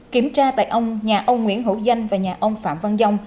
kiểm tra tại ông nhà ông nguyễn hữu danh và nhà ông phạm văn dông